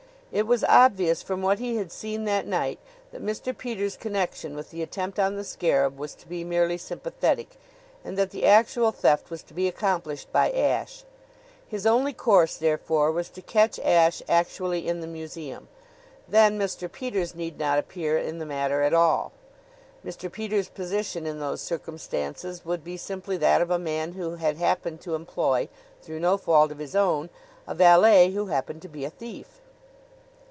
It was obvious from what he had seen that night that Mr. Peters' connection with the attempt on the scarab was to be merely sympathetic, and that the actual theft was to be accomplished by Ashe. His only course, therefore, was to catch Ashe actually in the museum. Then Mr. Peters need not appear in the matter at all. Mr. Peters' position in those circumstances would be simply that of a man who had happened to employ, through no fault of his own, a valet who happened to be a thief.